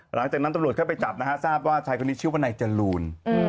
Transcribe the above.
หลังจากนั้นตำรวจเข้าไปจับนะฮะทราบว่าชายคนนี้ชื่อว่านายจรูน